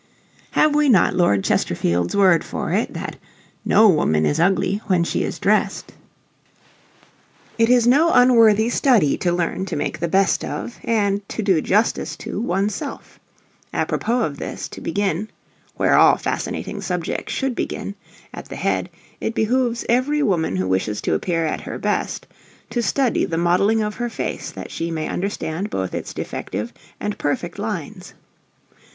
Have we not Lord Chesterfield's word for it, that "No woman is ugly when she is dressed"? It is no unworthy study to learn to make the best of, and to do justice to, one's self. Apropos of this, to begin where all fascinating subjects should begin at the head, it behooves every woman who wishes to appear at her best, to study the modelling of her face that she may understand both its defective and perfect lines.